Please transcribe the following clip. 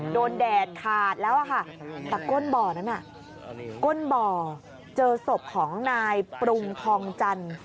แดดขาดแล้วค่ะแต่ก้นบ่อนั้นน่ะก้นบ่อเจอศพของนายปรุงทองจันทร์